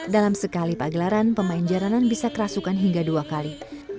dalam sekali pagelaran pemain jalanan bisa kerasukan hingga dua kali